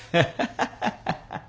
ハハハハ。